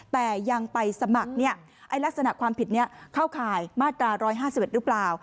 แต่ยังไปสมัครลักษณะความผิดนี้เข้าข่ายมาตรา๑๕๑หรือเปล่า